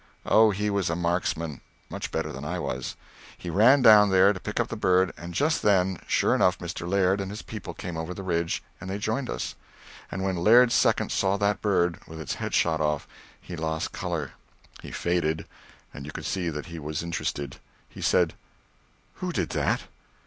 Oh, he was a marksman much better than I was. We ran down there to pick up the bird, and just then, sure enough, Mr. Laird and his people came over the ridge, and they joined us. And when Laird's second saw that bird, with its head shot off, he lost color, he faded, and you could see that he was interested. He said: "Who did that?"